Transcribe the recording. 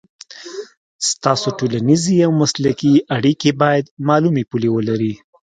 ستاسو ټولنیزې او مسلکي اړیکې باید معلومې پولې ولري.